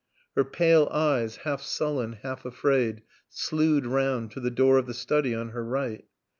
Her pale eyes, half sullen, half afraid, slewed round to the door of the study on her right.